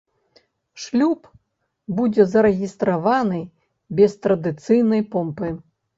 Шлюб будзе зарэгістраваны без традыцыйнай помпы.